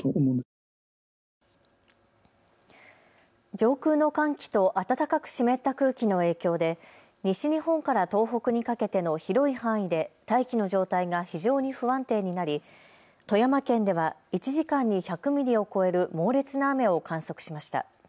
上空の寒気と暖かく湿った空気の影響で西日本から東北にかけての広い範囲で大気の状態が非常に不安定になり富山県では１時間に１００ミリを超える猛烈な雨を観測しました。